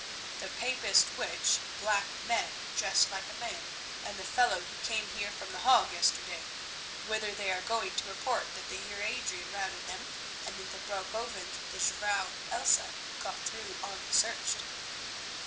"The papist witch, Black Meg, dressed like a man, and the fellow who came here from The Hague yesterday, whither they are going to report that the Heer Adrian routed them, and that the Broekhovens with the Jufvrouw Elsa got through unsearched."